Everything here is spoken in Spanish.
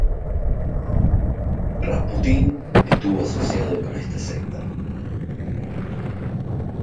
Rasputín estuvo asociado con esta secta.